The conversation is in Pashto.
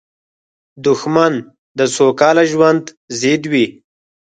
دښمن د سوکاله ژوند ضد وي